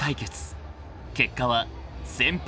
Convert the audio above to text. ［結果は先輩